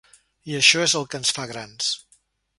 I això és el que ens fa grans.